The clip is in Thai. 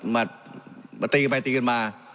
มาตีกันไปตีกันมา